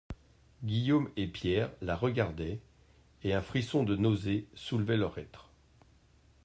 Guillaume et Pierre la regardaient, et un frisson de nausée soulevait leur être.